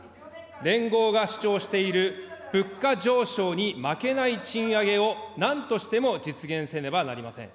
連合が主張している物価上昇に負けない賃上げをなんとしても実現せねばなりません。